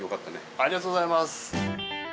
ありがとうございます。